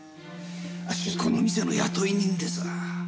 あっしこの店の雇い人です。